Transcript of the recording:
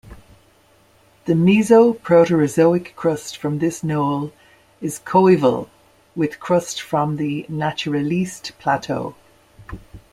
The Mesoproterozoic crust from this knoll is coeval with crust from the Naturaliste Plateau.